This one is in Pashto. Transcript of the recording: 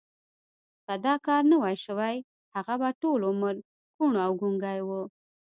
که دا کار نه وای شوی هغه به ټول عمر کوڼ او ګونګی و